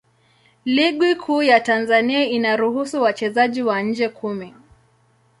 Ligi Kuu ya Tanzania inaruhusu wachezaji wa nje kumi.